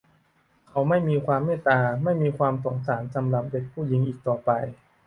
เขาไม่มีความเมตตาไม่มีความสงสารสำหรับเด็กผู้หญิงอีกต่อไป